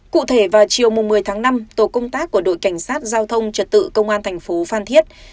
cụ thể vào chiều một mươi tháng năm tổ công tác của đội cảnh sát giao thông trật tự công an thành phố phan thiết